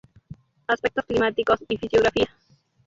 Aspectos climáticos y fisiografía.